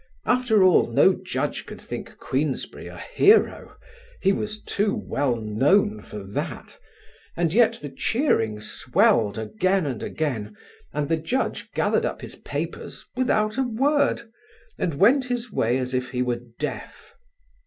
After all, no judge could think Queensberry a hero: he was too well known for that, and yet the cheering swelled again and again, and the judge gathered up his papers without a word and went his way as if he were deaf.